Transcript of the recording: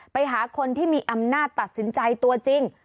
ไปหาคนที่มีอำนาจตัดสินใจตัวจริง